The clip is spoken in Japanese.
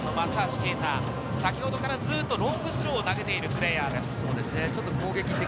松橋啓太、先ほどからずっとロングスローを投げているプレーヤーです。